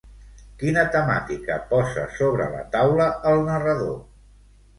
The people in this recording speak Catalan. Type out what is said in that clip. Quina temàtica posa sobre la taula el narrador?